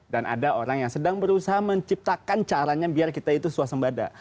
dan ada orang yang sedang berusaha menciptakan caranya biar kita itu suasembah ada